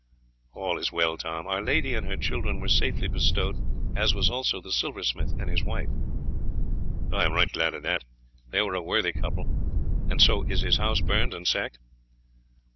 "All is well, Tom; our lady and her children were safely bestowed, as was also the silversmith and his wife." "I am right glad of that; they were a worthy couple. And so his house is burned and sacked?"